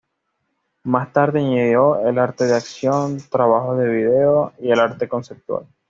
Más tarde, añadió el arte de acción, trabajos de video y arte conceptual.